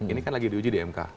ini kan lagi diuji di mk